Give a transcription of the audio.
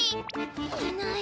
いない！